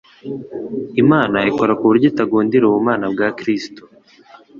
Imana ikora ku buryo itagundira ubumana bwa Kristo